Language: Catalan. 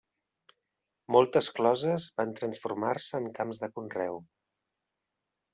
Moltes closes van transformar-se en camps de conreu.